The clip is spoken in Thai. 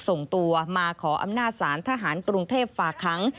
ส่งตัวมาขออำนาจศาลทหารกรุงเทพฝากค้าง